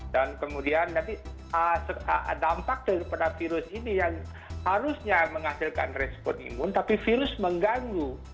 dan kemudian nanti dampak terhadap virus ini yang harusnya menghasilkan respon imun tapi virus mengganggu